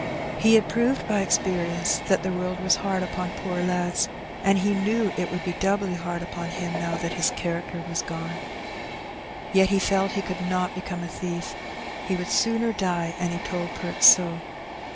He had proved by experience that the world was hard upon poor lads, and he knew it would be doubly hard upon him now that his character was gone. Yet he felt he could not become a thief. He would sooner die, and he told Perks so.